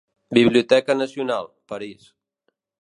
Biblioteca Nacional, París.